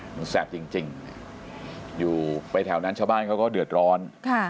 มันแสบจริงอยู่ไปแถวนั้นชาวบ้านเขาก็เดือดร้อน